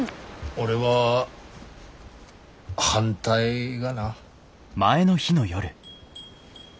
俺は反対がな。